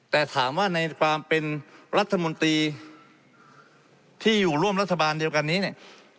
แต่ถามว่าในความเป็นรัฐมนตรีที่อยู่ร่วมรัฐบาลเดียวกันนี้เนี่ย